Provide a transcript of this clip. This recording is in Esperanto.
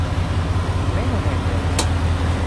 Venu nepre.